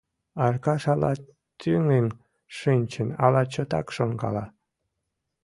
Аркаш ала тӱҥын шинчын, ала чотак шонкала.